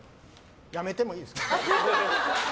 やめてもいいですか。